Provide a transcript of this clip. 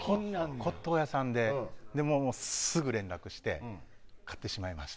で、すぐ連絡して買ってしまいました。